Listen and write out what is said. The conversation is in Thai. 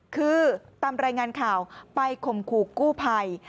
คือตามรายงานข่าวไปข่มขู่กู้ภัย